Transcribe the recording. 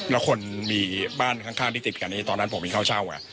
แล้วคนมีบ้านข้างที่ติดกันที่ตอนนั้นผมมีเข้าเช่า